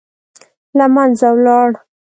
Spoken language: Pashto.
له منځه ولاړ.